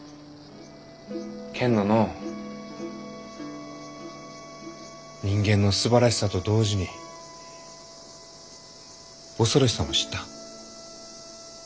けんどのう人間のすばらしさと同時に恐ろしさも知った。